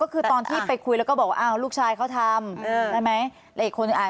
ก็คือตอนที่ไปคุยแล้วก็บอกว่าลูกชายเขาทำใช่ไหม